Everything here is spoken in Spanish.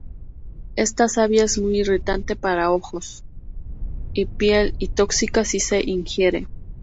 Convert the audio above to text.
Esta savia es muy irritante para ojos y piel, y tóxica si se ingiere.